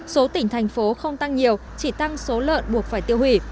số tỉnh thành phố không tăng nhiều chỉ tăng số lợn buộc phải tiêu hủy